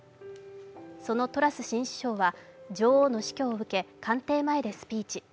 そのトラス新首相は女王の死去を受け、官邸前でスピーチ。